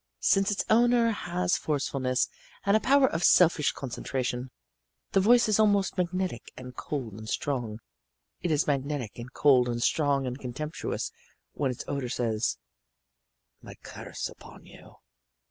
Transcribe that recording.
Since its owner has forcefulness and a power of selfish concentration, the voice is mostly magnetic and cold and strong. It is magnetic and cold and strong and contemptuous when its owner says, "My curse upon you!"